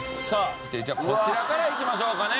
こちらからいきましょうかね。